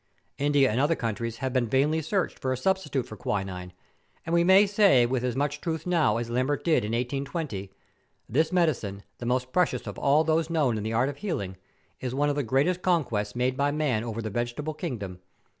... India and other countries have been vainly searched for a substitute for quinine, and we may say with as much truth now as Lambert did in 1820, 'This medicine, the most precious of all those known in the art of healing, is one of the greatest conquests made by man over the vegetable kingdom.